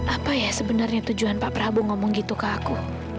apa ya sebenarnya tujuan pak prabowo ngomong gitu ke aku